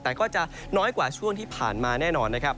แต่ก็จะน้อยกว่าช่วงที่ผ่านมาแน่นอนนะครับ